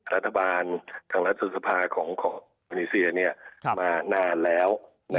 รัฐบาลทางรัฐสุทธิภาของอินโดนีเซียมานานแล้ว